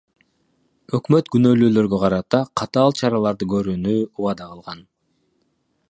Өкмөт күнөөлүүлөргө карата катаал чараларды көрүүнү убада кылган.